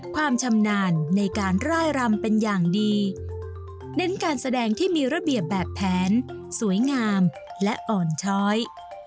ความชำนาญในการร่ายรำเป็นอย่างดีเน้นการแสดงที่มีระเบียบแบบแผนสวยงามและอ่อนช้อย